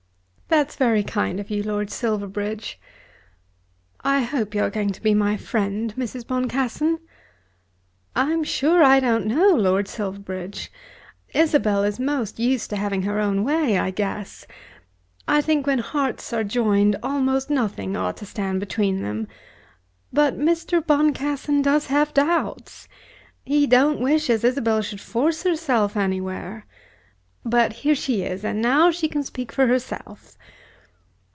"That's very kind of you, Lord Silverbridge." "I hope you are going to be my friend, Mrs. Boncassen." "I am sure I don't know, Lord Silverbridge. Isabel is most used to having her own way, I guess. I think when hearts are joined almost nothing ought to stand between them. But Mr. Boncassen does have doubts. He don't wish as Isabel should force herself anywhere. But here she is, and now she can speak for herself."